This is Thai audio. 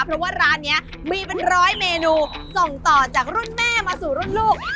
เพราะว่าร้านนี้มีเป็นร้อยเมนูส่งต่อจากรุ่นแม่มาสู่รุ่นลูก